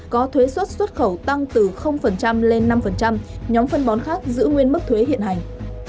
có thuế xuất xuất khẩu tăng từ lên năm nhóm phân bón khác giữ nguyên mức thuế hiện hành